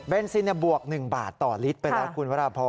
เวนซินเนี่ยบวก๑บาทต่อลิตรไปแล้วคุณพระราบพร